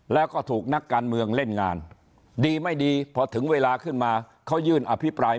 แล้วก็ถูกนักการเมืองเล่นงานดีไม่ดีพอถึงเวลาขึ้นมาเขายื่นอภิปราย